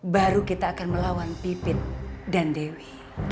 baru kita akan melawan pipin dan dewi